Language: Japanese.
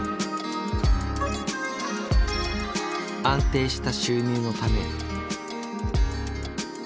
安定した収入のため。